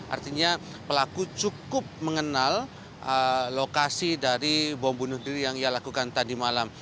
artinya pelaku cukup mengenal lokasi dari bom bunuh diri yang ia lakukan tadi malam